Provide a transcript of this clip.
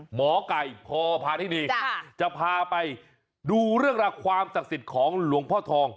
หมอไก่พอพาที่นี่จะพาไปดูเรื่องราวความศักดิ์สิทธิ์ของหลวงพ่อทอง